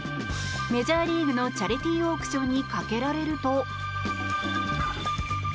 メジャーリーグのチャリティーオークションにかけられると。